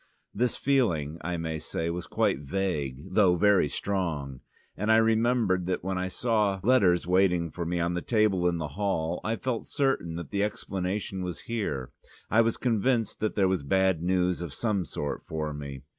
This feeling, I may say, was quite vague, though very strong, and I remember that when I saw letters waiting for me on the table in the hall I felt certain that the explanation was here: I was convinced that there was bad news of some sort for me.